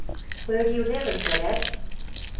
"Where do you live, Rigolette?" "No.